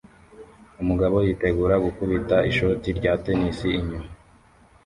Umugabo yitegura gukubita ishoti rya tennis inyuma